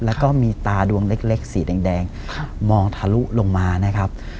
แล้วก็มีตาดวงเล็กสีแดงมองทะลุลงมานะครับ